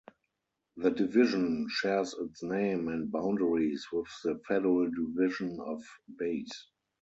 The division shares its name and boundaries with the federal division of Bass.